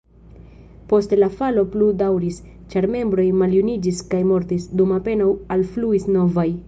Poste la falo plu daŭris, ĉar membroj maljuniĝis kaj mortis, dum apenaŭ alfluis novaj.